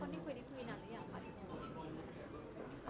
คนที่คุยที่คุยนานแล้วยังประทิบโมง